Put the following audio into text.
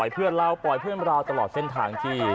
ทรายเพื่อเรา